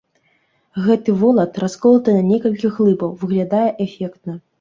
Гэты волат, расколаты на некалькі глыбаў, выглядае эфектна.